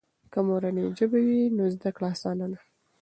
که مورنۍ ژبه وي، نو زده کړه آسانه ده.